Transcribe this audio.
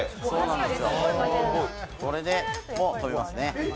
これで、もう止めますね。